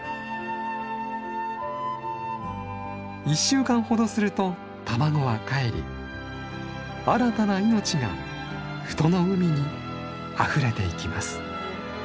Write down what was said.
１週間ほどすると卵はかえり新たな命が富戸の海にあふれていきます。